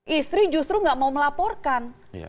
istri justru nggak mau melaporkan